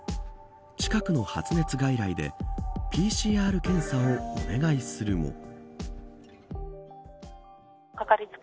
近くの発熱外来でＰＣＲ検査をお願いするも。